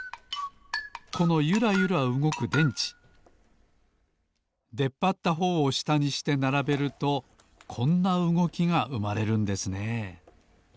このゆらゆらうごく電池でっぱったほうをしたにしてならべるとこんなうごきがうまれるんですね